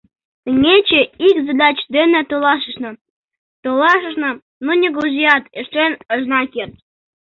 Теҥгече ик задаче дене толашышна, толашышна... ну нигузеат ыштен ыжна керт!